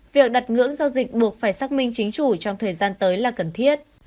việc đặt ngưỡng giao dịch buộc phải xác minh chính chủ trong thời gian tới là cần thiết